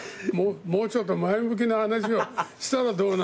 もうちょっと前向きな話をしたらどうなんだって。